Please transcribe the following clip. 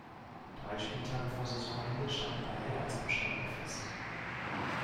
Drei Spieltage vor Saisonende standen beide als Absteiger fest.